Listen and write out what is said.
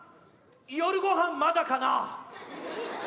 夜ごはんまだかな？